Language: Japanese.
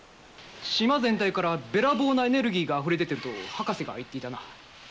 島全体からべらぼうなエネルギーがあふれ出てると博士が言っていたな。